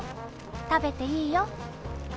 食べていいよ。